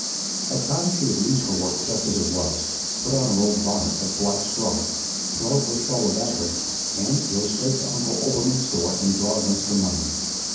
At times she would leave her work just as it was, put on her old bonnet of black straw, throw her shawl about her, and go straight to Uncle Oelbermann's store and draw against her money.